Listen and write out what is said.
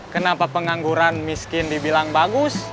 kenapa pengangguran miskin dibilang bagus